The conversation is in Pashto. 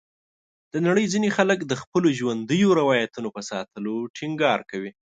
د نړۍ ځینې خلک د خپلو ژوندیو روایتونو په ساتلو ټینګار کوي.